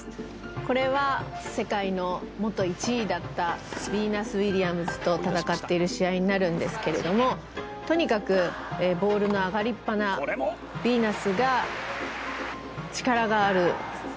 これは世界の元１位だったビーナス・ウィリアムズと戦っている試合になるんですけれどもとにかくボールの上がりっぱなビーナスが力がある手足が長い